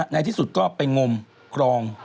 ในที่สุดก็ไปงมกรอง